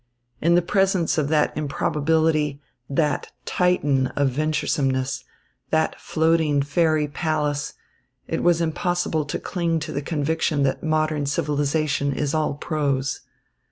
In the presence of that improbability, that Titan of venturesomeness, that floating fairy palace, it was impossible to cling to the conviction that modern civilisation is all prose.